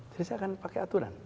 saya akan pakai aturan